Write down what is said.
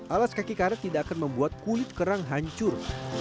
alas kaki karet tidak akan membuat kulit kerang hancur